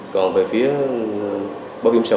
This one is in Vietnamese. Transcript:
còn về phía báo kiểm xã hội